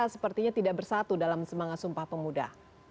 sepertinya tidak bersatu dalam semangat sumpah pemuda